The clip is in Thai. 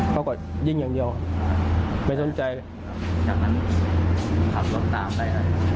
เขาก็ยิงอย่างเดียวไม่สนใจเลย